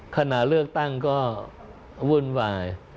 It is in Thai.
ขณะเลือกตั้งก็วุ่นวาย